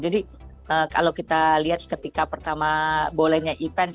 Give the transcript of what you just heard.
kalau kita lihat ketika pertama bolehnya event